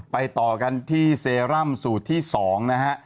ต่อกันที่เซรั่มสูตรที่๒นะฮะ